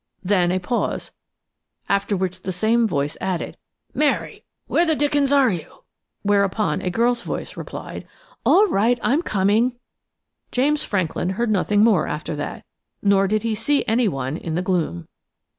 Then a pause, after which the same voice added: "Mary, where the dickens are you?" Whereupon a girl's voice replied: "All right, I'm coming." James Franklin heard nothing more after that, nor did he see anyone in the gloom.